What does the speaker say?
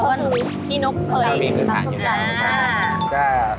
เพราะว่าพี่นกเคยมีมือผ่านอยู่แล้ว